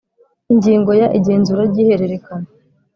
Ingingo ya igenzura ry ihererekana